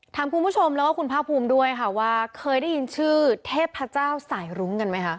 ถามคุณผู้ชมแล้วก็คุณภาคภูมิด้วยค่ะว่าเคยได้ยินชื่อเทพเจ้าสายรุ้งกันไหมคะ